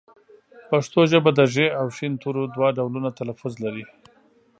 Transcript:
پښتو ژبه د ږ او ښ تورو دوه ډولونه تلفظ لري